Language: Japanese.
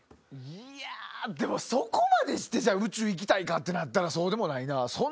いやでもそこまでして宇宙行きたいかってなったらそうでもないなぁ。